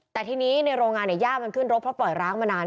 แต่ทีนี้ในโรงงานย่ามันขึ้นรกเพราะปล่อยร้างมานาน